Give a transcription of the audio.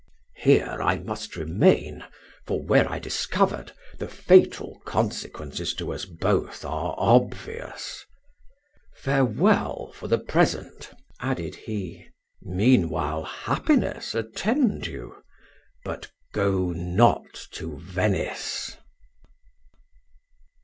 "Here I must remain; for, were I discovered, the fatal consequences to us both are obvious. Farewell for the present," added he, "meanwhile happiness attend you; but go not to Venice."